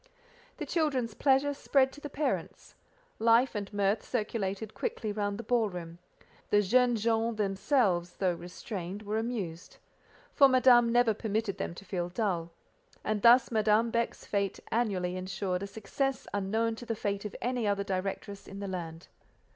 The children's pleasure spread to the parents; life and mirth circulated quickly round the ball room; the "jeunes gens" themselves, though restrained, were amused: for Madame never permitted them to feel dull—and thus Madame Beck's fête annually ensured a success unknown to the fête of any other directress in the land.